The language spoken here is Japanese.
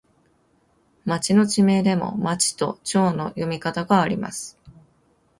町の地名でも、まちとちょうの読み方があります。